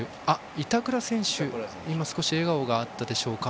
板倉選手には笑顔があったでしょうか。